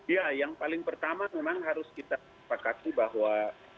ya yang paling pertama memang harus kita sepakati bahwa